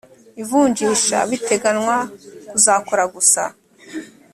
ivunjisha biteganywa kuzakora gusa